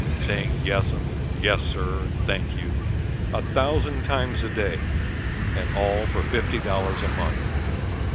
Saying "Yes'm" and "Yes, sir", and "Thank you" A thousand times a day, and all for fifty dollars a month.